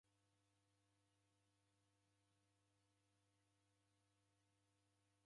Vua ya luhehia yew'udua vigharo vedu